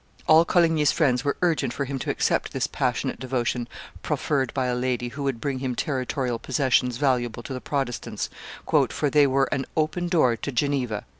All Coligny's friends were urgent for him to accept this passionate devotion proffered by a lady who would bring him territorial possessions valuable to the Protestants, "for they were an open door to Geneva."